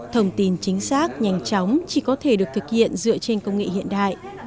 thông tin chính xác nhanh chóng chỉ có thể được thực hiện dựa trên công nghệ hiện đại